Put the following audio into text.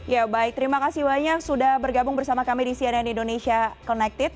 ya baik terima kasih banyak sudah bergabung bersama kami di cnn indonesia connected